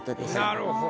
なるほど。